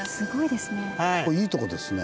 ここいいとこですね。